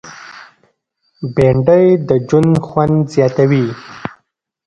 بېنډۍ د ژوند خوند زیاتوي